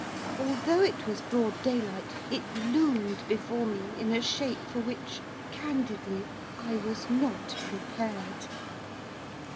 although it was broad daylight, it loomed before me in a shape for which, candidly! I was not prepared.